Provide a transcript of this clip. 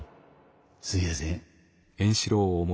すいやせん。